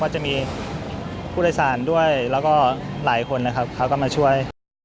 จะมีผู้โดยสารด้วยแล้วก็หลายคนนะครับเขาก็มาช่วย